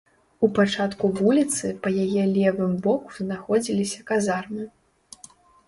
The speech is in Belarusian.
У пачатку вуліцы па яе левым боку знаходзіліся казармы.